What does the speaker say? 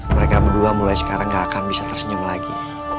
mereka berdua mulai sekarang gak akan bisa tersenyum lagi